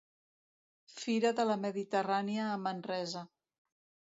Fira de la Mediterrània a Manresa.